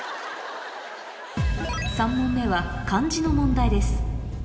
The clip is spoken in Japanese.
３問目は漢字の問題です